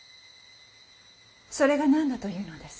それが何だというのです？